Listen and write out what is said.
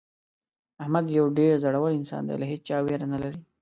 احمد یو ډېر زړور انسان دی له هېچا ویره نه لري.